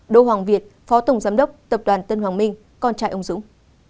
đỗ hoàng việt phó tổng giám đốc tập đoàn tân hoàng minh con trai ông dũng